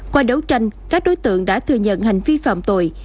qua đấu tranh các đối tượng đã thừa nhận hành vi phạm tội